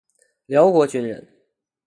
辽国军人。